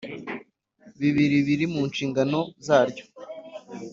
bibiri biri mu nshingano zaryo